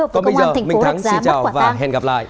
còn bây giờ mình thắng xin chào và hẹn gặp lại